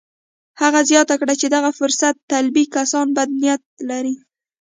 هغه زياته کړه چې دغه فرصت طلبي کسان بد نيت لري.